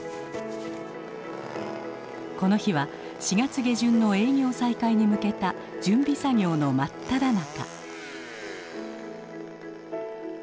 この日は４月下旬の営業再開に向けた準備作業の真っただ中。